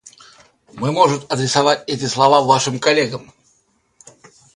Мы может адресовать эти слова и Вашим коллегам.